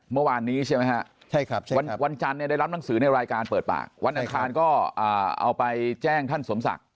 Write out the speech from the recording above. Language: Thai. เมื่อวานนี้ใช่ไหมฮะวันจันทร์ได้รับหนังสือในรายการเปิดปากวันอังคารก็เอาไปแจ้งท่านสมศักดิ